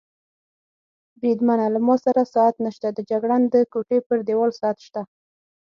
بریدمنه، له ما سره ساعت نشته، د جګړن د کوټې پر دېوال ساعت شته.